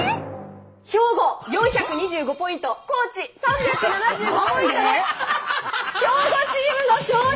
兵庫４２５ポイント高知３７５ポイントで兵庫チームの勝利！